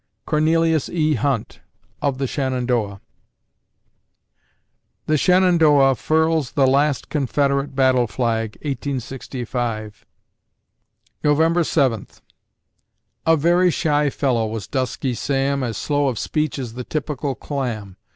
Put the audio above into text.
CORNELIUS E. HUNT (Of "The Shenandoah") The "Shenandoah" furls the last Confederate battle flag, 1865 November Seventh A very shy fellow was dusky Sam, As slow of speech as the typical clam.